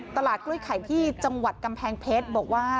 ตลาดกล้วยไข่ที่จังหวัดกำแพงเพชรบอกว่า